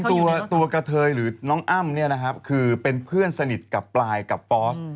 ตัวกะเทยหรือน้องอ้ำเป็นเพื่อนสนิทกับปลายกับปอส